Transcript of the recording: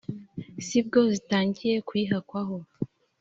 sibwo zitangiye kuyihakwaho!